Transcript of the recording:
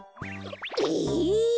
え！？